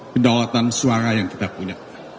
kedaulatan suara yang kita punya